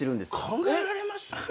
考えられます？